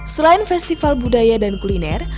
selain festival budaya dan kuliner